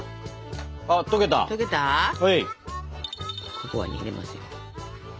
ココアに入れますよ。